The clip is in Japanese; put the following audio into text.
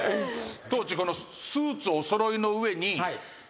当時このスーツお揃いの上に。